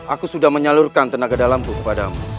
aku sudah menyalurkan tenaga dalamku kepadamu